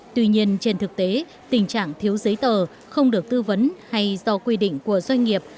tuy nhiên trên thực tế tình trạng thiếu giấy tờ không được tư vấn hay do quy định của doanh nghiệp